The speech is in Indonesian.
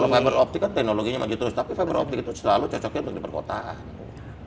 fiberoptik kan teknologinya maju terus tapi fiberoptik itu selalu cocoknya untuk di perkotaan